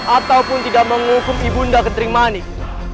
ataupun tidak menghukum ibu nda ketering manik